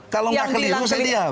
kalau nggak keliru saya diam